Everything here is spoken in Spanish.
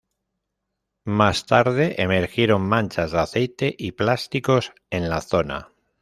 Más tarde emergieron manchas de aceite y plásticos en la zona.